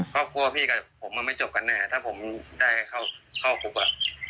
ครอบครัวพี่กับผมมันไม่จบกันแน่ถ้าผมได้เข้าคุกอ่ะ